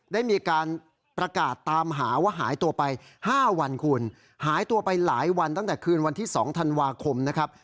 ได้มีการประกาศตามหาว่าหายตัวไป๕วันคุณหายตัวไปหลายวันตั้งแต่คืนวันที่๒ธันวาคมนะครับ